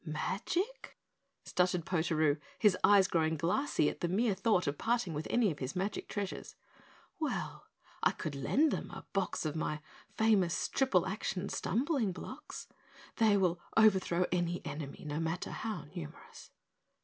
"M agic?" stuttered Potaroo, his eyes growing glassy at the mere thought of parting with any of his magic treasures. "Well er I could lend them a box of my famous triple action stumbling blocks. They will overthrow any enemy, no matter how numerous."